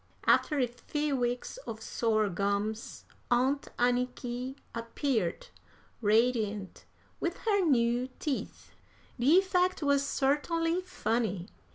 After a few weeks of sore gums, Aunt Anniky appeared, radiant with her new teeth. The effect was certainly funny.